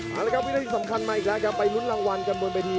เอาละครับวินาทีสำคัญมาอีกแล้วครับไปลุ้นรางวัลกันบนเวที